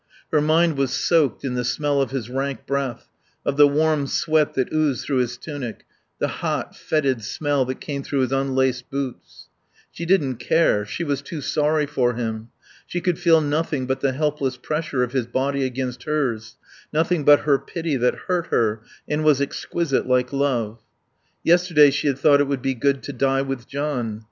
Her mind was soaked in the smell of his rank breath, of the warm sweat that oozed through his tunic, the hot, fetid smell that came through his unlaced boots. She didn't care; she was too sorry for him. She could feel nothing but the helpless pressure of his body against hers, nothing but her pity that hurt her and was exquisite like love. Yesterday she had thought it would be good to die with John.